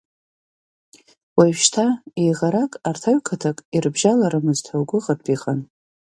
Уажәшьҭа еиӷарак арҭ аҩ-қыҭак ирыбжьаларымызт ҳәа угәыӷыртә иҟан.